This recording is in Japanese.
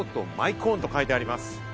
コーンと書いてあります。